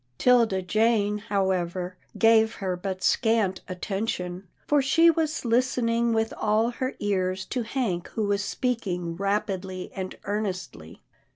'Tilda Jane, however, gave her but scant atten tion, for she was listening with all her ears to Hank who was speaking rapidly and earnestly.